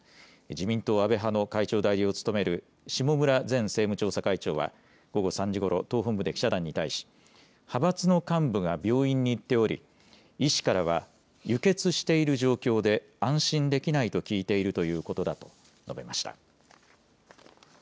自民党安倍派の会長代理を務める下村前政務調査会長は午後３時ごろ党本部で記者団に対し派閥の幹部が病院に行っており医師からは輸血している状況で安心できないと聞いているということだと述べました。